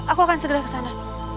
aku akan segera kesana